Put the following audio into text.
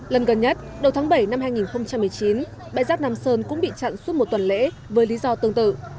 lần gần nhất đầu tháng bảy năm hai nghìn một mươi chín bãi rác nam sơn cũng bị chặn suốt một tuần lễ với lý do tương tự